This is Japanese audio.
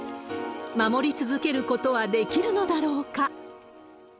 守り続けることはできるのだろうか。